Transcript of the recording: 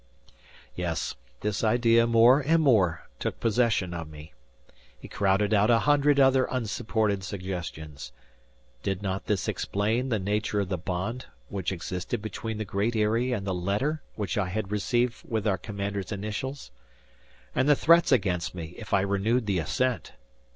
Yes, this idea more and more took possession of me. It crowded out a hundred other unsupported suggestions. Did not this explain the nature of the bond which existed between the Great Eyrie and the letter which I had received with our commander's initials? And the threats against me if I renewed the ascent!